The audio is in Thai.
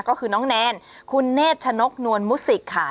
ก็คือน้องแนนคุณเนธชนกนวลมุสิกค่ะ